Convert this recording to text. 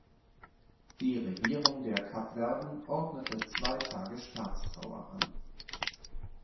Die Regierung der Kap Verden ordnete zwei Tage Staatstrauer an.